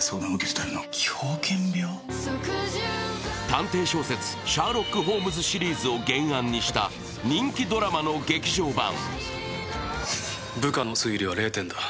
探偵小説「シャーロック・ホームズ」シリーズを原案にした人気ドラマの劇場版。